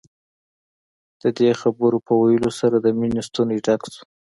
د دې خبرو په ويلو سره د مينې ستونی ډک شو.